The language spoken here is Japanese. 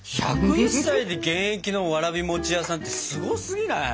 １０１歳で現役のわらび餅屋さんってすごすぎない？